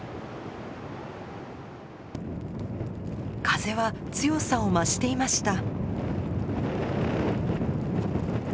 風は強さを増していました。